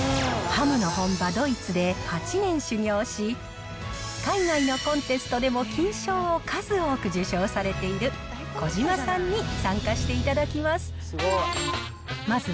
ハムの本場、ドイツで８年修業し、海外のコンテストでも金賞を数多く受賞されている、小島さんに参加していただきます。